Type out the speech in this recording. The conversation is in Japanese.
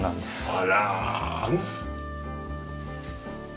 あら。